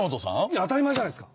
当たり前じゃないですか。